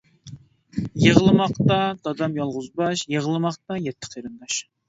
يىغلىماقتا دادام يالغۇز باش، يىغلىماقتا يەتتە قېرىنداش.